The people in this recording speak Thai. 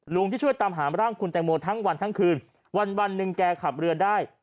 ที่ช่วยตามหาร่างคุณแตงโมทั้งวันทั้งคืนวันหนึ่งแกขับเรือได้